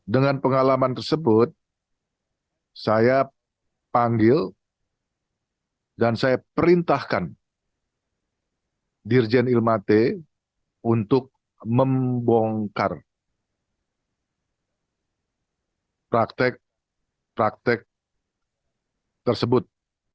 dengan pengalaman tersebut saya panggil dan saya perintahkan dirjen ilmate untuk membongkar praktek praktek tersebut